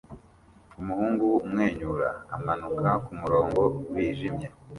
Umuhungu umwenyura amanuka kumurongo wijimye